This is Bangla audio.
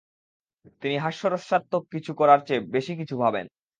তিনি হাস্যরসাত্মক কিছুর করার চেয়ে বেশি কিছু ভাবেন।